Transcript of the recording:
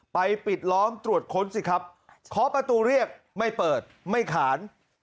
ปิดล้อมตรวจค้นสิครับเคาะประตูเรียกไม่เปิดไม่ขาน